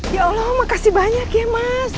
ya allah makasih banyak ya mas